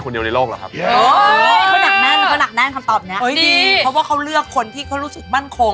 เพราะว่าเขาเลือกคนที่เขารู้สึกมั่นคง